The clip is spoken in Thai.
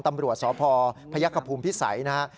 ตำรวจสพพพิษัยนะฮะ